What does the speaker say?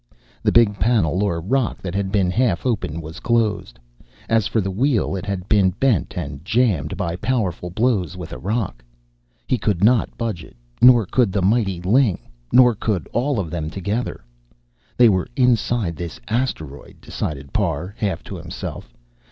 The big panel or rock, that had been half open, was closed. As for the wheel, it had been bent and jammed, by powerful blows with a rock. He could not budge it, nor could the mighty Ling, nor could all of them together. "They were inside this asteroid," decided Parr, half to himself.